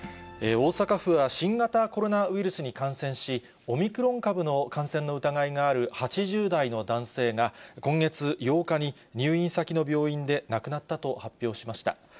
大阪府は、新型コロナウイルスに感染し、オミクロン株の感染の疑いのある８０代の男性が、今月８日に入院先の病院で亡くなったと発表しました。